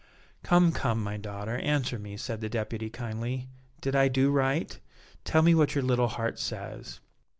"Come, come, my daughter, answer me," said the Deputy, kindly, "did I do right? Tell me what your little heart says."